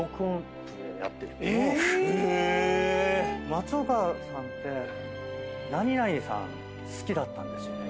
「松岡さんって何々さん好きだったんですよね」